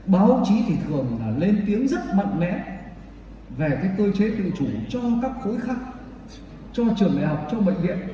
báo chí thì thường là lên tiếng rất mạnh mẽ về cái cơ chế tự chủ cho các khối khác cho trường đại học cho bệnh viện